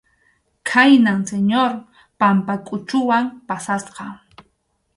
Khaynam Señor Pampakʼuchuwan pasasqa.